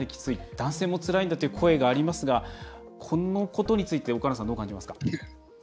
男性もつらいんだという声がありますがこのことについて岡野さんどう感じますか？